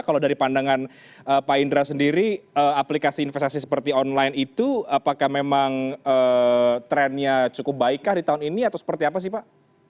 kalau dari pandangan pak indra sendiri aplikasi investasi seperti online itu apakah memang trennya cukup baikkah di tahun ini atau seperti apa sih pak